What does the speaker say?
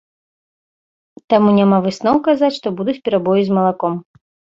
Таму няма высноў казаць, што будуць перабоі з малаком.